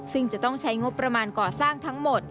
ซึ่งจะต้องใช้งบประมาณก่อสร้างทั้งหมด